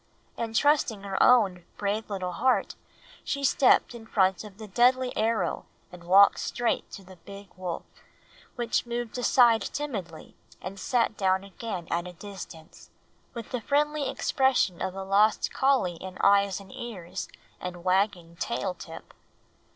And trusting her own brave little heart she stepped in front of the deadly arrow and walked straight to the big wolf, which moved aside timidly and sat down again at a distance, with the friendly expression of a lost collie in eyes and ears and wagging tail tip.